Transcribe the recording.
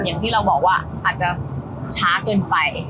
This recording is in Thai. อย่างที่เราบอกว่าอาจจะช้าเกินไป